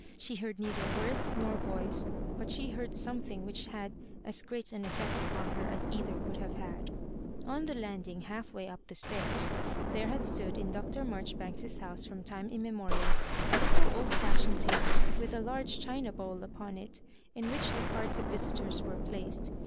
She heard neither words nor voice, but she heard something which had as great an efiect upon her as either could have had. On the landing half way up the stairs, there had stood in Dr. Maijoribanks's house from time immemorial a little old fashioned table, with & large china bowl upon it, in which the cards of visitors were placed.